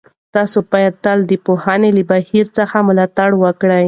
تاسو باید تل د پوهنې له بهیر څخه ملاتړ وکړئ.